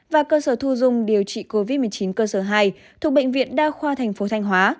và cơ sở thu dùng điều trị covid một mươi chín cơ sở hai thuộc bệnh viện đa khoa tp thanh hóa